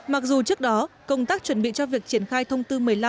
mặc dù trước đó công tác chuẩn bị cho việc triển khai thông tư một mươi năm